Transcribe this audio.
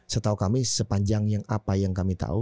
setahu kami sepanjang yang apa yang kami tahu